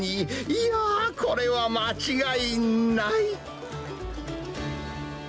いやー、これは間違いない。